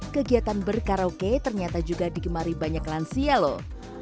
kegiatan berkaraoke ternyata juga digemari banyak lansia loh